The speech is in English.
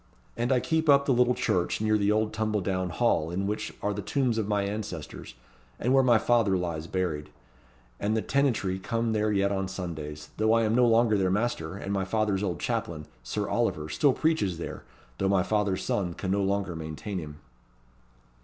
And I keep up the little church near the old tumble down hall, in which are the tombs of my ancestors, and where my father lies buried; and the tenantry come there yet on Sundays, though I am no longer their master; and my father's old chaplain, Sir Oliver, still preaches there, though my father's son can no longer maintain him."